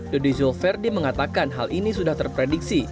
dodi zulferdi mengatakan hal ini sudah terprediksi